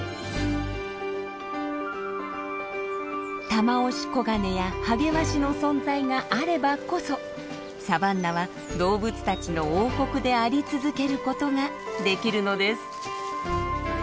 タマオシコガネやハゲワシの存在があればこそサバンナは動物たちの王国であり続けることができるのです。